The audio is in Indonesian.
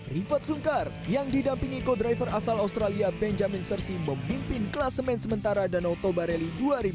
rivot sungkar yang didampingi co driver asal australia benjamin sersi memimpin kelas men sementara danau toba rally dua ribu dua puluh